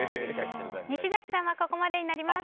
西崎さんはここまでになります。